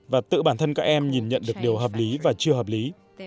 và tự bản thân các em nhìn nhận được điều hợp lý và chưa hợp lý